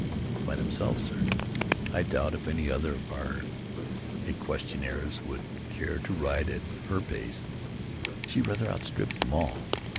"By themselves, sir. I doubt if any other of our equestriennes would care to ride at her pace. She rather outstrips them all.